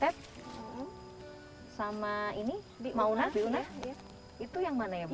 bang etet sama ini maunah itu yang mana ya bu